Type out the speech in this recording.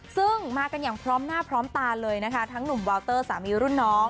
ซึ่งมากันอย่างพร้อมหน้าพร้อมตาเลยนะคะทั้งหนุ่มวาวเตอร์สามีรุ่นน้อง